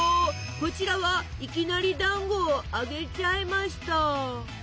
こちらはいきなりだんごを揚げちゃいました。